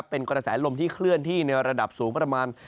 เป็นกระแสลมที่เคลื่อนที่ในระดับสูงประมาณ